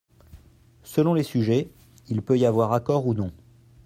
Selon les sujets, il peut y avoir accord ou non.